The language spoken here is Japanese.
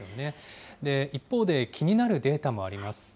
一方で、気になるデータもあります。